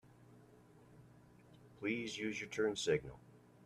Please use your turn signal.